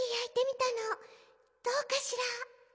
どうかしら？